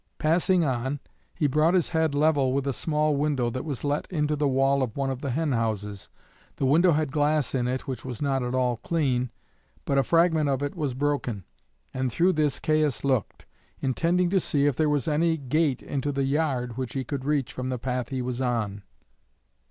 Passing on, he brought his head level with a small window that was let into the wall of one of the hen houses. The window had glass in it which was not at all clean, but a fragment of it was broken, and through this Caius looked, intending to see if there was any gate into the yard which he could reach from the path he was on.